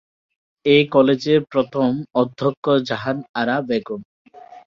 এ কলেজের প্রথম অধ্যক্ষ জাহান আরা বেগম।